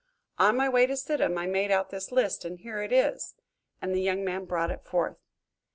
On my way to Sidham I made out this list, and here it is," and the young man brought it forth.